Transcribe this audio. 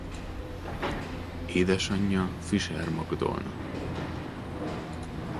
Édesanyja Fischer Magdolna.